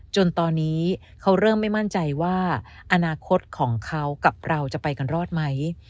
จนตอนนี้เขาเริ่มไม่มั่นใจว่าอนาคตของเขากับเราจะไปกันรอดไหม